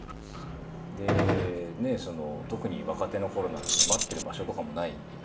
で特に若手のころなんて待ってる場所とかもないんで。